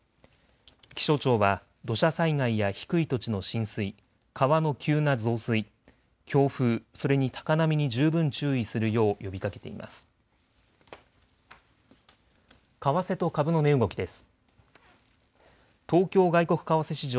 気象庁は土砂災害や低い土地の浸水、川の急な増水、強風それに高波に十分注意するよう呼びかけています。